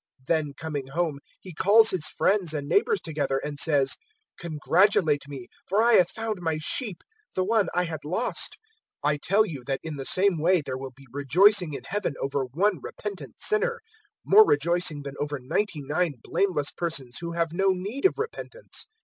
015:006 Then coming home he calls his friends and neighbours together, and says, `Congratulate me, for I have found my sheep the one I had lost.' 015:007 I tell you that in the same way there will be rejoicing in Heaven over one repentant sinner more rejoicing than over ninety nine blameless persons who have no need of repentance.